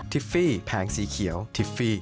ฟี่แผงสีเขียวทิฟฟี่